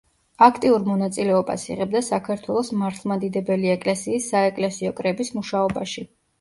აქტიურ მონაწილეობას იღებდა საქართველოს მართლმადიდებელი ეკლესიის საეკლესიო კრების მუშაობაში.